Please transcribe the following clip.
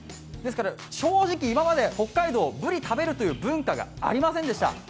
正直、今まで北海道、ブリ食べるという文化がありませんでした。